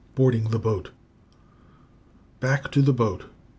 BOARDING THE BOAT. Back to the boat!